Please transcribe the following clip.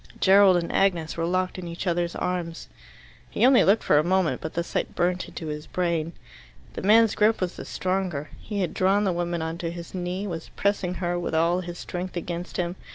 Gerald and Agnes were locked in each other's arms. He only looked for a moment, but the sight burnt into his brain. The man's grip was the stronger. He had drawn the woman on to his knee, was pressing her, with all his strength, against him.